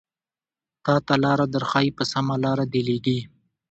تاته لاره درښايې په سمه لاره دې ليږي